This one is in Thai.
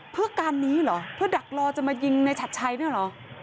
เพื่อการนี้เหรอเพื่อดักรอจะมายิงในฉัดชัยเนี่ยเหรอ